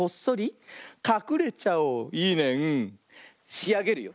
しあげるよ。